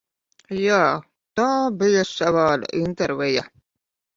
Jā, tā bija savāda intervija.